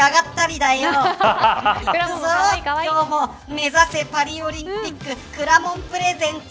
目指せパリオリンピックくらもんプレゼンツ